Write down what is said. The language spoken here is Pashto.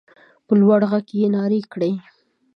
په لوړ غږ يې نارې کړې.